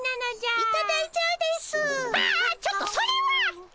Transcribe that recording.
ああちょっとそれは！